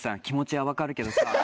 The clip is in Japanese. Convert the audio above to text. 気持ちは分かるけどさ。